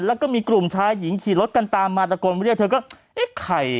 แล้วก็มีกลุ่มชายหญิงขี่รถกันตามมานะจากกรณ์เราเรียกเธอก็ไอ๊